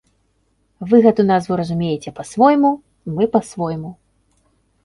Вы гэту назву разумееце па-свойму, мы па-свойму.